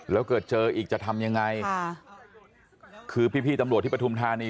แล้วเกิดเจออีกจะทำยังไงค่ะคือพี่พี่ตำรวจที่ปฐุมธานี